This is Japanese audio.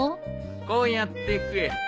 こうやって食え。